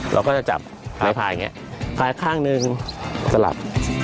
เราก็จะจับพายพายอย่างนี้พายข้างหนึ่งสลับ